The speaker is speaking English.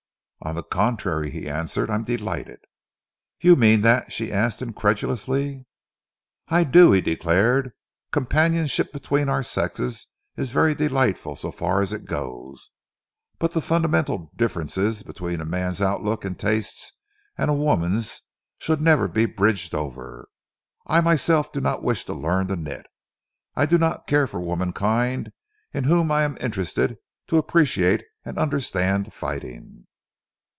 "On the contrary," he answered, "I am delighted." "You mean that?" she asked incredulously. "I do," he declared. "Companionship between our sexes is very delightful so far as it goes, but the fundamental differences between a man's outlook and tastes and a woman's should never be bridged over. I myself do not wish to learn to knit. I do not care for the womenkind in whom I am interested to appreciate and understand fighting."